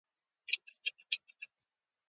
دا فصل باید د تاریخ په زرینو کرښو ولیکل شي